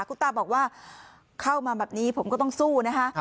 คุณตาบอกว่าเข้ามาแบบนี้ผมก็ต้องสู้นะคะ